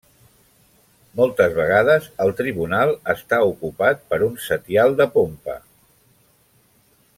Moltes vegades el tribunal està ocupat per un setial de pompa.